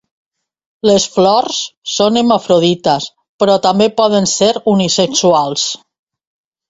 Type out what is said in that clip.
Les flors són hermafrodites, però també poden ser unisexuals.